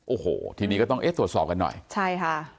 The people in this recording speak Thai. โอ้โหทีนี้ก็ต้องเอ๊ะตรวจสอบกันหน่อยใช่ค่ะ